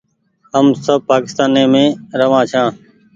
هم سب پآڪيستاني مينٚ رهوآن ڇآن